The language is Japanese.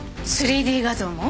３Ｄ 画像も？